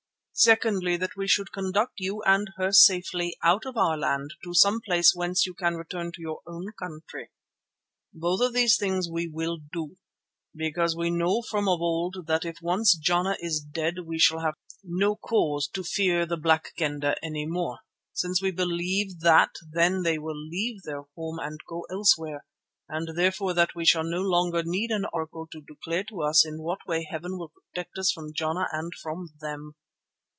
Secondly, that we should conduct you and her safely out of our land to some place whence you can return to your own country. Both of these things we will do, because we know from of old that if once Jana is dead we shall have no cause to fear the Black Kendah any more, since we believe that then they will leave their home and go elsewhere, and therefore that we shall no longer need an Oracle to declare to us in what way Heaven will protect us from Jana and from them.